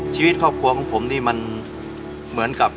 ชีวิตครอบครัวของผมนี่มันเหมือนกับ